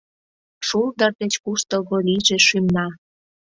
Шулдыр деч куштылго лийже шӱмна!